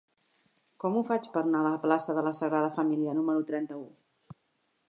Com ho faig per anar a la plaça de la Sagrada Família número trenta-u?